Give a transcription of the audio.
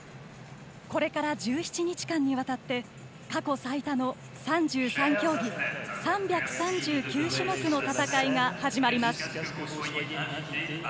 これから１７日間にわたって過去最多の３３競技３３９種目の戦いが始まります。